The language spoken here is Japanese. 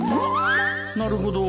なるほど。